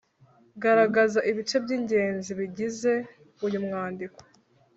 garagaza ibice by’ingenzi bigize uyu mwandiko.